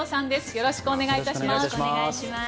よろしくお願いします。